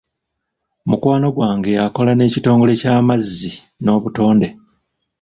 Mukwano gwange akola n'ekitongole ky'amazzi n'obutonde.